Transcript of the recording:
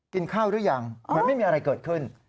กินข้าวหรือยังเหมือนไม่มีอะไรเกิดขึ้น